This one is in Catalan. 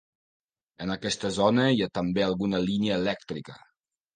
En aquesta zona hi ha també alguna línia elèctrica.